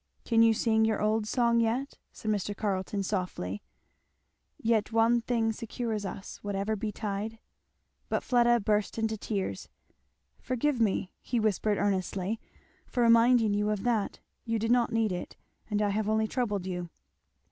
"Can you sing your old song yet, " said Mr. Carleton softly, "'Yet one thing secures us. Whatever betide?'" But Fleda burst into tears. "Forgive me," he whispered earnestly, "for reminding you of that, you did not need it, and I have only troubled you."